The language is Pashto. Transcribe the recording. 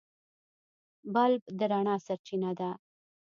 بلب د رڼا سرچینه ده.